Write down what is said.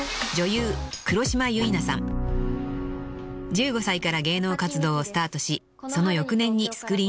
［１５歳から芸能活動をスタートしその翌年にスクリーンデビュー］